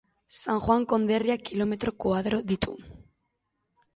San Juan konderriak kilometro koadro ditu.